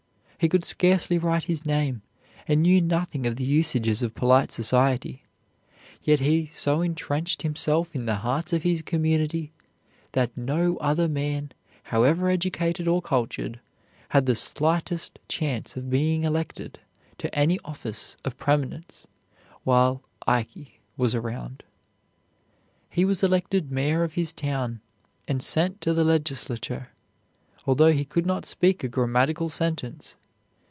He could scarcely write his name, and knew nothing of the usages of polite society, yet he so intrenched himself in the hearts in his community that no other man, however educated or cultured, had the slightest chance of being elected to any office of prominence while "Ike" was around. He was elected mayor of his town, and sent to the legislature, although he could not speak a grammatical sentence.